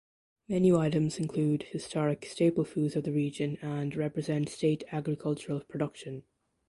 Menu items include historic staple foods of the region and represent state agricultural production.